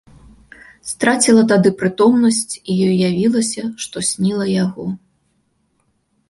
Страціла тады прытомнасць, і ёй уявілася, што сніла яго.